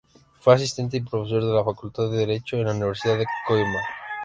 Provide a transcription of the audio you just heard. Fue asistente y profesor de la Facultad de Derecho en la Universidad de Coímbra.